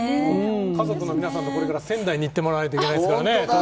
家族の皆さんもこれから仙台に行ってもらわないといけないですからね